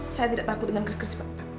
saya tidak takut dengan kers